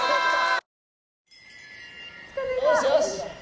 ・よしよし。